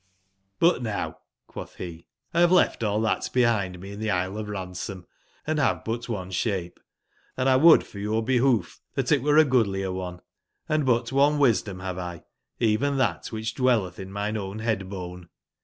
But now,"quotb be,'*l bave left all tbat bebind me in tbe Isle of Ransom, and bave but one sbape, & 1 would for your beboof tbat it were a goodlier one : and but one wisdom bavel, even tbat wbicb dwelletb in mine own bead/bone.